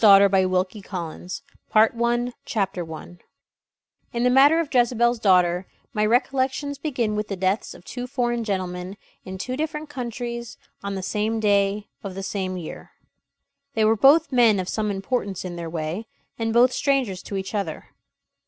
DAVID GLENNEY CONSULTS HIS MEMORY AND OPENS THE STORY CHAPTER I In the matter of Jezebel's Daughter, my recollections begin with the deaths of two foreign gentlemen, in two different countries, on the same day of the same year. They were both men of some importance in their way, and both strangers to each other.